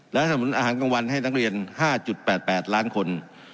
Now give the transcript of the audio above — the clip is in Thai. และสนุนอาหารกลางวันให้นักเรียน๕๘๘ล้านคน